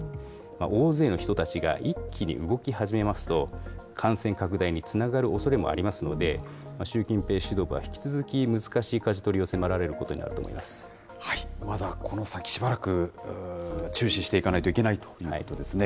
大勢の人たちが一気に動き始めますと、感染拡大につながるおそれもありますので、習近平指導部は引き続き難しいかじ取りを迫られることになると思まだ、この先しばらく注視していかなきゃいけないということですね。